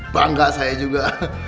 bangga saya juga